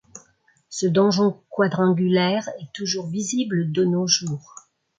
Ce donjon quadrangulaire est toujours visible de nos jours.